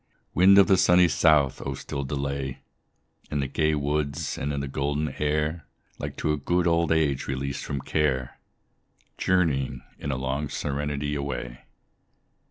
Wind of the sunny south! oh still delay In the gay woods and in the golden air, Like to a good old age released from care, Journeying, in long serenity, away.